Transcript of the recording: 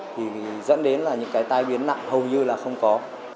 thì dẫn đến là những cái tai biến nặng hầu như là không có